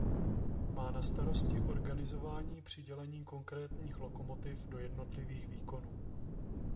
Má na starosti organizování přidělení konkrétních lokomotiv do jednotlivých výkonů.